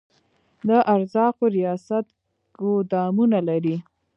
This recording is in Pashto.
د ارزاقو ریاست ګدامونه لري؟